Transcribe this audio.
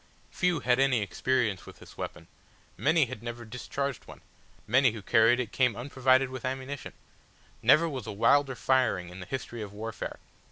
Few had had any experience with this weapon, many had never discharged one, many who carried it came unprovided with ammunition; never was wilder firing in the history of warfare.